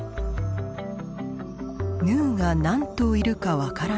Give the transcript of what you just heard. ヌーが何頭いるかわからない。